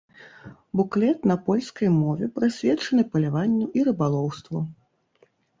Буклет на польскай мове прысвечаны паляванню і рыбалоўству.